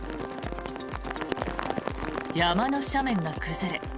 山の斜面が崩れ